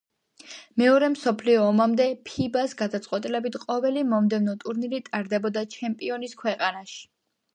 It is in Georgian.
მეორე მსოფლიო ომამდე „ფიბა-ს“ გადაწყვეტილებით ყოველი მომდევნო ტურნირი ტარდებოდა ჩემპიონის ქვეყანაში.